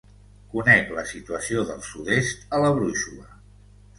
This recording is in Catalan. Conec la situació del sud-est a la brúixola.